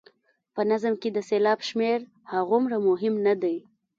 په نظم کې د سېلاب شمېر هغومره مهم نه دی.